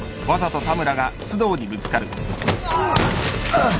あっ！